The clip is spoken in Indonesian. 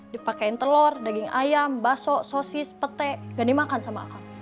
dipakein telur daging ayam bakso sosis petai gak dimakan sama akang